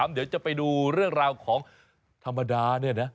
เดี๋ยวจะไปดูเรื่องราวของธรรมดาเนี่ยนะ